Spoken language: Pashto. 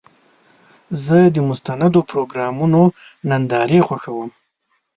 زه د مستندو پروګرامونو نندارې خوښوم.